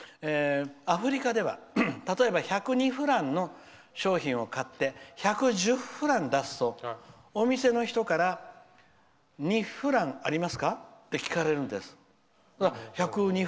アフリカでは例えば１０２フランの商品を買って１１０フラン出すとお店の人から２フランありますか？って聞かれるんです。